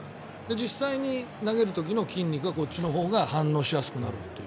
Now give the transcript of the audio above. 実際に投げる時の筋肉がこっちのほうが反応しやすくなるという。